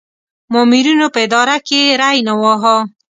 مامورینو په اداره کې ری نه واهه.